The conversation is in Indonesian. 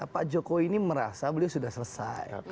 pak jokowi ini merasa beliau sudah selesai